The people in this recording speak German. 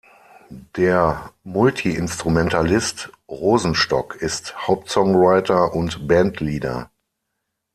Der Multiinstrumentalist Rosenstock ist Hauptsongwriter und Bandleader.